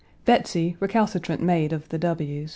Betsey, recalcitrant maid of the W.'